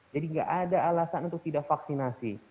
jadi enggak ada alasan untuk tidak vaksinasi